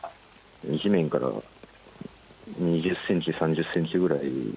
地面から２０センチ、３０センチぐらい。